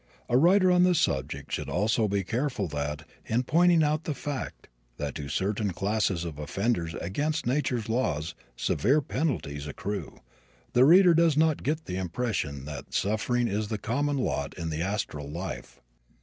A writer on the subject should also be careful that, in pointing out the fact that to certain classes of offenders against nature's laws severe penalties accrue, the reader does not get the impression that suffering is the common lot in the astral life.